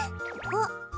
あっ。